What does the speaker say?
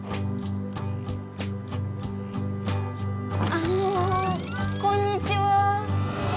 あのこんにちは。